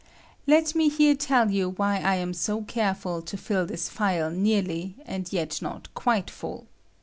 Let me here tell you why I am so careful to fill this phial nearly, and yet not quite full.